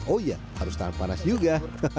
oh iya harus tahan panas juga